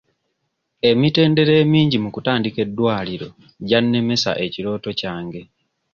Emitendera emingi mu kutandika eddwaliro gya nnemesa ekirooto kyange.